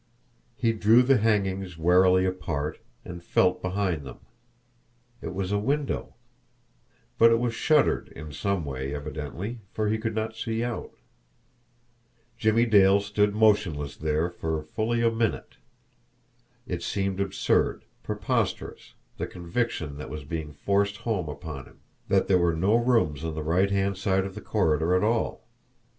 He drew the hangings warily apart, and felt behind them. It was a window; but it was shuttered in some way evidently, for he could not see out. Jimmie Dale stood motionless there for fully a minute. It seemed absurd, preposterous, the conviction that was being forced home upon him that there were no rooms on the right hand side of the corridor at all!